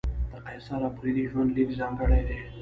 د قیصر اپریدي ژوند لیک ځانګړی دی.